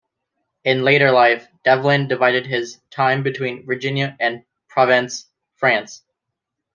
In later life, Devlin divided his time between Virginia and Provence, France.